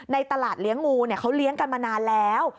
ตลาดเลี้ยงงูเขาเลี้ยงกันมานานแล้ว